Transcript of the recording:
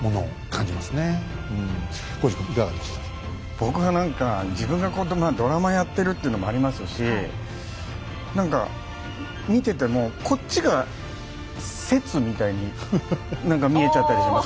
僕は何か自分がこうドラマやってるっていうのもありますし何か見ててもこっちが説みたいに見えちゃったりします。